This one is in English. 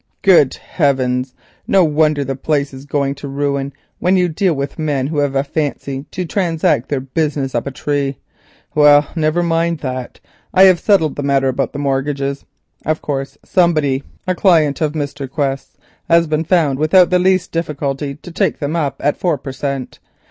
"Good heavens! no wonder the place is going to ruin, when you deal with men who have a fancy to transact their business up a tree. Well, never mind that, I have settled the matter about the mortgages. Of course somebody, a client of Mr. Quest's, has been found without the least difficulty to take them up at four per cent.